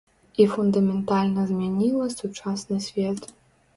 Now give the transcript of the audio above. І фундаментальна змяніла сучасны свет.